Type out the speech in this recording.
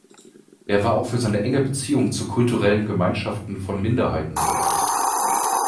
Er war auch für seine enge Beziehung zu „kulturellen Gemeinschaften“ von Minderheiten bekannt.